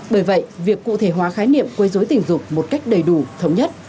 bởi vậy việc cụ thể hóa khái niệm quây dối tình dục một cách đầy đủ thống nhất